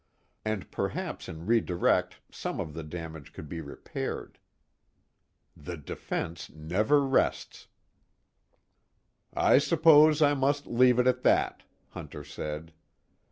And perhaps in redirect some of the damage could be repaired. The defense never rests. "I suppose I must leave it at that," Hunter said.